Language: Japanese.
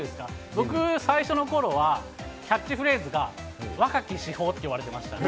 僕、最初のころは、キャッチフレーズが若き至宝って言われてましたね。